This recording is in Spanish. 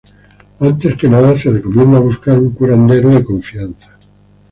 Antes que nada se recomienda buscar un curandero de confianza.